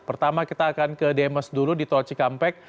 pertama kita akan ke demes dulu di tol cikampek